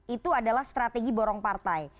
itu adalah strategi borong partai